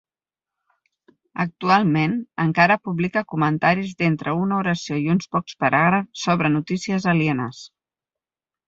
Actualment, encara publica comentaris d'entre una oració i uns pocs paràgrafs sobre notícies alienes.